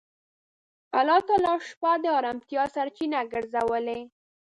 الله تعالی شپه د آرامتیا سرچینه ګرځولې.